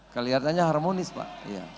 kelihatannya harmonis pak